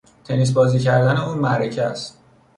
تنیس بازی کردن او معرکه است.